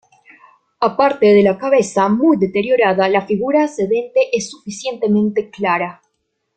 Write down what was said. Aparte de la cabeza, muy deteriorada, la figura sedente es suficientemente clara.